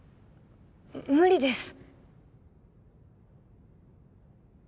無理です。